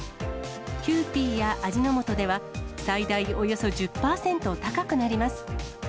キユーピーや味の素では、最大およそ１０％高くなります。